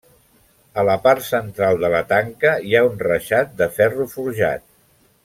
A la part central de la tanca hi ha un reixat de ferro forjat.